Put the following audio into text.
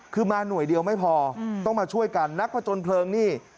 คือมาหน่วยเดียวไม่พอต้องมาช่วยกันนักผจญเพลิงนี่